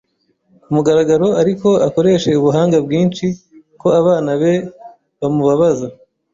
kumugaragaro ariko akoreshe ubuhanga bwinshi, ko abana be bamubabaza